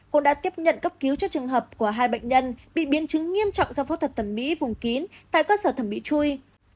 cũng đã tiếp nhận cấp cứu cho trường hợp của hai bệnh nhân bị biến chứng nghiêm trọng do phẫu thuật thẩm mỹ vùng kín tại cơ sở thẩm mỹ chui